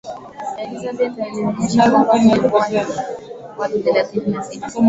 elizabeth alionyesha kwamba kulikuwa na watu thelathini na sita